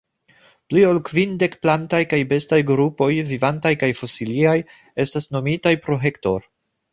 Pli ol kvindek plantaj kaj bestaj grupoj, vivantaj kaj fosiliaj, estas nomitaj pro Hector.